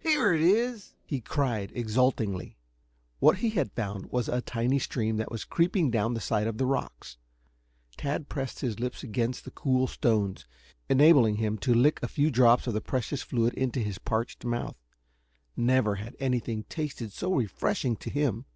"Here it is!" he cried exultingly. What he had found was a tiny stream that was creeping down the side of the rocks. Tad pressed his lips against the cool stones, enabling him to lick a few drops of the precious fluid into his parched mouth. Never had anything tasted so refreshing to him.